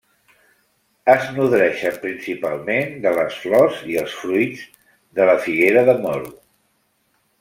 Es nodreixen principalment de les flors i els fruits de la figuera de moro.